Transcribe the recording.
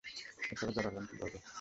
এসবে জড়ালেন কীভাবে?